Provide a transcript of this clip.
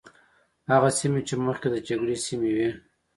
هغه سیمې چې مخکې د جګړې سیمې وي.